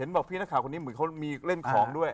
บอกพี่นักข่าวคนนี้เหมือนเขามีเล่นของด้วย